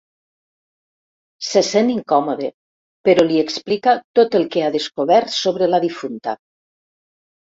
Se sent incòmode, però li explica tot el que ha descobert sobre la difunta.